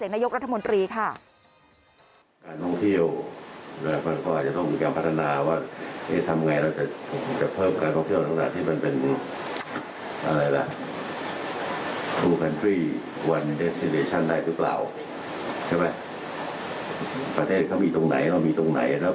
เออใช่ครับปลดล็อคแล้วฟังเสียงนายกรัฐมนตรีค่ะ